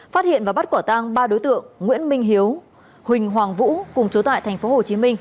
phát hiện và bắt quả tang ba đối tượng nguyễn minh hiếu huỳnh hoàng vũ cùng chú tại tp hcm